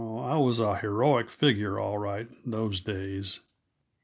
Oh, I was a heroic figure, all right, those days.